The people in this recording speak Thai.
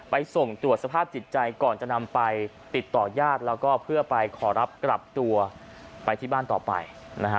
ไปส่งตรวจสภาพจิตใจก่อนจะนำไปติดต่อญาติแล้วก็เพื่อไปขอรับกลับตัวไปที่บ้านต่อไปนะฮะ